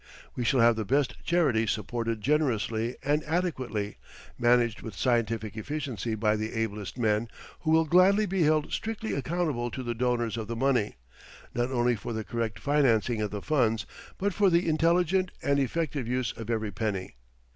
We shall have the best charities supported generously and adequately, managed with scientific efficiency by the ablest men, who will gladly he held strictly accountable to the donors of the money, not only for the correct financing of the funds, but for the intelligent and effective use of every penny.